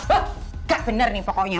eh gak bener nih pokoknya